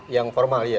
yang formal ya